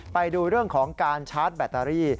ไปดูเรื่องของการชาร์จแบตเตอรี่